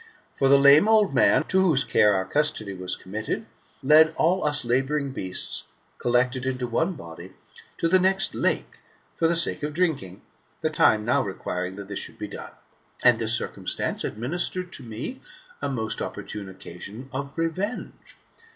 For the lame old man, to whose care our custody was committed, led all us labouring beasts, collected into one body, to the next lake for the sake of drinking, the time now requiring; that this should be done. And this circumstance administered to me a most opportune occasion of revenge.